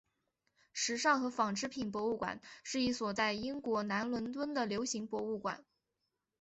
时尚和纺织品博物馆是一所在英国南伦敦的流行博物馆。